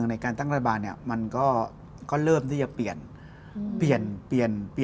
อันนี้คุณอุทิศจำดูดูแลกว่าไม่รู้ว่ามีสัญญาณอะไรหรือเปล่า